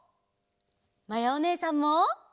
まやおねえさんも！